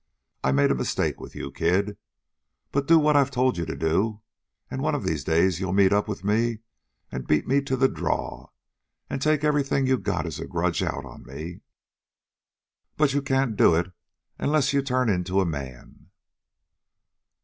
I made a mistake with you, kid. But do what I've told you to do, and one of these days you'll meet up with me and beat me to the draw and take everything you got as a grudge out on me. But you can't do it unless you turn into a man."